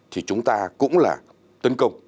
thì chúng ta cũng là tấn công